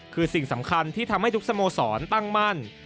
คือสิ่งสำคัญที่ทำให้ทุกสโมสรตั้งมั่น